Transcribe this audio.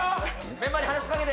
メンバーに話しかけて。